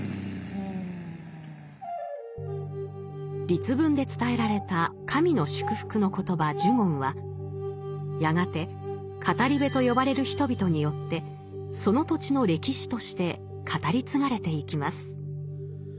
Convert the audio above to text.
律文で伝えられた神の祝福の言葉「呪言」はやがて語部と呼ばれる人々によってその土地の歴史として語り継がれていきます。